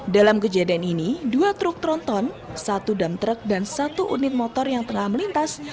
dalam kejadian ini dua truk tronton satu dam truk dan satu unit motor yang tengah melintas